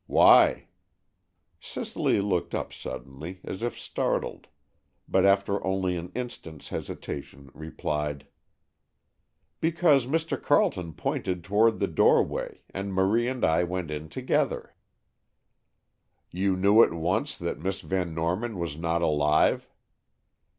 "Why?" Cicely looked up suddenly, as if startled, but after only an instant's hesitation replied: "Because Mr. Carleton pointed toward the doorway, and Marie and I went in together." "You knew at once that Miss Van Norman was not alive?"